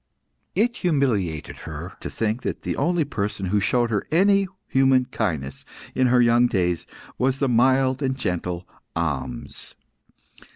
It humiliated her to think that the only person who showed her any human kindness in her young days was the mild and gentle Ahmes.